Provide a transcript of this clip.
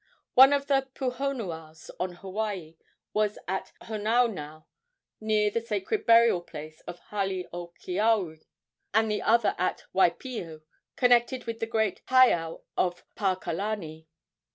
One of the puhonuas on Hawaii was at Honaunau, near the sacred burial place of Hale o Keawe, and the other at Waipio, connected with the great heiau of Paa kalani.